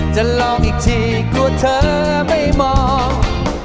จะลองอีกทีกลัวเธอไม่มอง